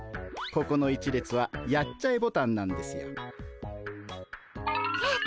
ここの１列はやっちゃえボタンなんですよ。